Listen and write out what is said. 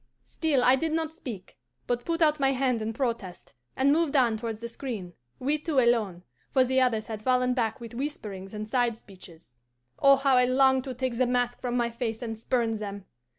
"Still I did not speak, but put out my hand in protest, and moved on towards the screen, we two alone, for the others had fallen back with whisperings and side speeches. Oh, how I longed to take the mask from my face and spurn them!